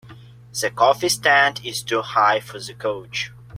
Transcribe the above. The coffee stand is too high for the couch.